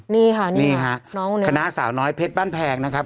นี่ค่ะนี่ค่ะน้องน้องนี้คณะสาวน้อยเพชรบ้านแพงนะครับ